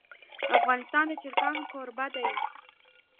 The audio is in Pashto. افغانستان د چرګان کوربه دی.